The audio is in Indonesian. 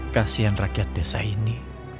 kasihan rakyat desa ini